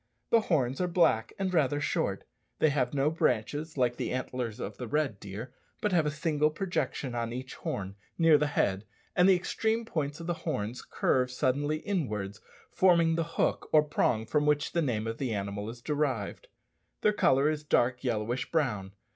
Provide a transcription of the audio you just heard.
The horns are black, and rather short; they have no branches, like the antlers of the red deer, but have a single projection on each horn, near the head, and the extreme points of the horns curve suddenly inwards, forming the hook or prong from which the name of the animal is derived. Their colour is dark yellowish brown.